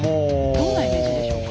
どんなイメージでしょうか？